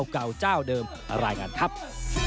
เตรียมป้องกันแชมป์ที่ไทยรัฐไฟล์นี้โดยเฉพาะ